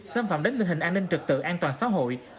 xâm phạm đến tình hình an ninh trực tự an toàn xã hội